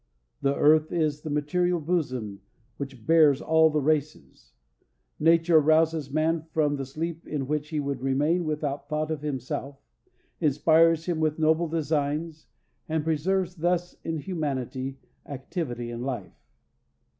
The earth is the material bosom which bears all the races. Nature arouses man from the sleep in which he would remain without thought of himself, inspires him with noble designs, and preserves thus in humanity activity and life.